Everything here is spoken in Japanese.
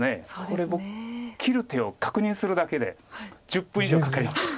ここで僕切る手を確認するだけで１０分以上かかります。